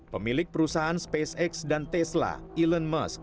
pemilik perusahaan spacex dan tesla elon musk